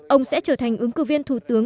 ông sẽ trở thành ứng cử viên thủ tướng